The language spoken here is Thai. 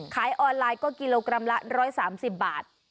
ขายออนไลน์ก็กิโลกรัมละร้อยสามสิบบาท